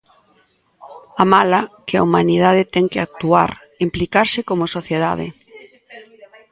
A mala, que a humanidade ten que actuar, implicarse como sociedade.